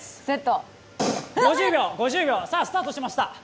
５０秒、さあスタートしました。